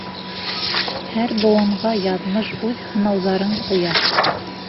Һәр быуынға яҙмыш үҙ һынауҙарын ҡуя.